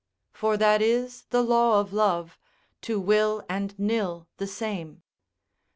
For that is the law of love, to will and nill the same.